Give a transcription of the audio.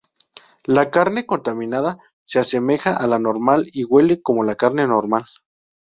La carne contaminada se asemeja a la normal y huele como la carne normal.